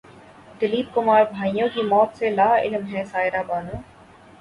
دلیپ کمار بھائیوں کی موت سے لاعلم ہیں سائرہ بانو